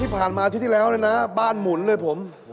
ที่ผ่านมาอาทิตย์ที่แล้วนะบ้านหมุนเลยครับผม